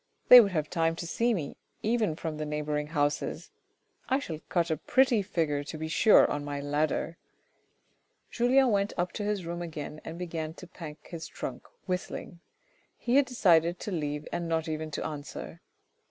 They would have time to see me, even from the neighbouring houses. I shall cut a pretty figure to be sure on my ladder !" Julien went up to his room again and began to pack his trunk whistling. He had decided to leave and not even to answer.